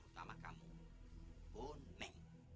terutama kamu boneng